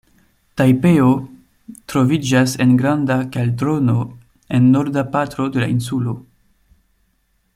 Tajpeo troviĝas en granda kaldrono en norda parto de la insulo.